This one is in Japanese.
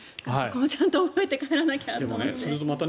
ちゃんと覚えて帰らなきゃと思って。